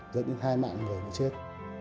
dẫn đến hai mạng người bị chết